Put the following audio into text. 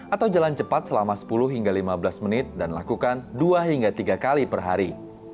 atau jalan cepat selama sepuluh hingga lima belas menit dan lakukan dua hingga tiga kali per hari